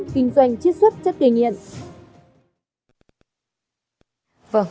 kinh doanh chiết xuất chất kỳ nghiện